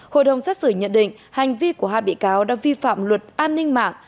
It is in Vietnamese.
hội đồng xét xử nhận định hành vi của hai bị cáo đã vi phạm luật an ninh mạng